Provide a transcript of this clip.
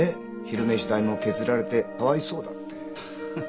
昼飯代も削られてかわいそうだって。